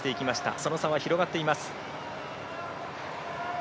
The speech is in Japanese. その差は広がっていきます。